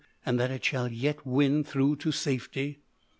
And that it shall yet win through to safety?"